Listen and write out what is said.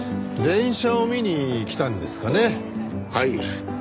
電車を見に来たんですかね？はい。